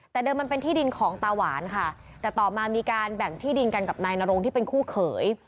แต่เดิมมันเป็นที่ดินของตาหวานค่ะแต่ต่อมามีการแบ่งที่ดินกันกับนายนรงที่เป็นคู่เขย